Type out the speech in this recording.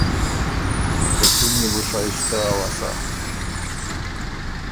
که څُون يې بو شائستۀ اؤسا۔